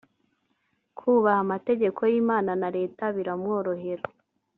kubaha amategeko y’Imana na Leta biramworohera